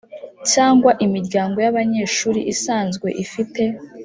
cyangwa imiryango y abanyeshuri isanzwe ifite